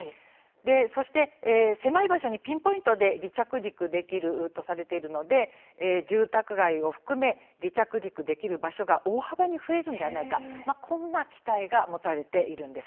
そして狭い場所にピンポイントで離着陸できるとされているので住宅街を含め離着陸できる場所が大幅に増えるのではないかこんな期待が持たれているんです。